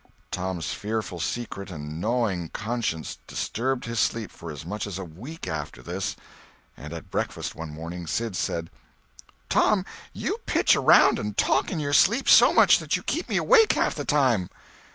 Tom's fearful secret and gnawing conscience disturbed his sleep for as much as a week after this; and at breakfast one morning Sid said: "Tom, you pitch around and talk in your sleep so much that you keep me awake half the time."